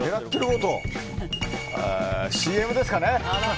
ＣＭですかね。